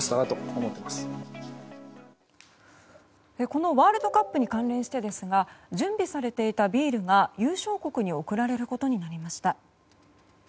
このワールドカップに関連してですが準備されていたビールが優勝国に贈られることになりました。